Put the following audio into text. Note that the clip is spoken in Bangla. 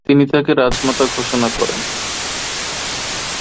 তিনি তাকে রাজমাতা ঘোষণা করেন।